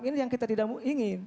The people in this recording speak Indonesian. ini yang kita tidak ingin